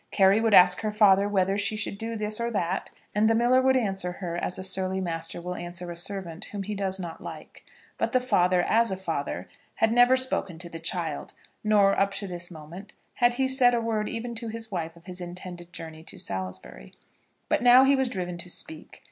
Carry would ask her father whether she should do this or that, and the miller would answer her as a surly master will answer a servant whom he does not like; but the father, as a father, had never spoken to the child; nor, up to this moment, had he said a word even to his wife of his intended journey to Salisbury. But now he was driven to speak.